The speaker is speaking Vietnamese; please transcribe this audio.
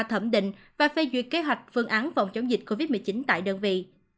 thẩm định và phê duyệt kế hoạch phương án phòng chống dịch covid một mươi chín tại đơn vị